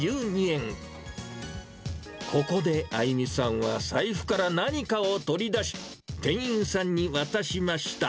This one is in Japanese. ここであゆみさんは、財布から何かを取り出し、店員さんに渡しました。